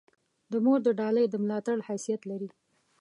د مور دا ډالۍ د ملاتړ حیثیت لري.